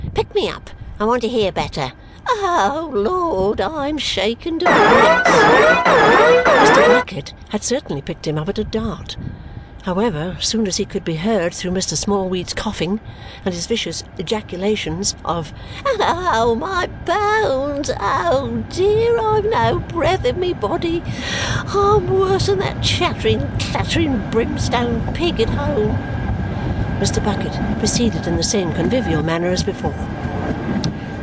Pick me up; I want to hear better. Oh, Lord, I am shaken to bits!" Mr. Bucket had certainly picked him up at a dart. However, as soon as he could be heard through Mr. Smallweed's coughing and his vicious ejaculations of "Oh, my bones! Oh, dear! I've no breath in my body! I'm worse than the chattering, clattering, brimstone pig at home!" Mr. Bucket proceeded in the same convivial manner as before.